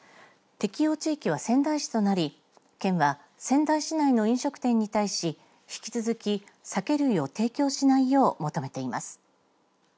適用地域は、仙台市となり県は、仙台市内の飲食店に対し引き続き、酒類を提供しないよう求めています。